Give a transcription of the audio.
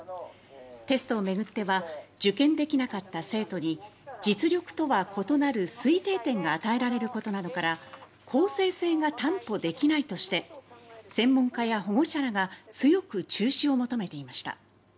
テストを巡っては受験できなかった生徒に実力とは異なる推定点が与えられることなどから公正性が担保できないとして専門家や保護者らが強く中止を求めていました。